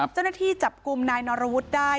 เจ้าหน้าที่จับกลุ่มนายนรวุฒิได้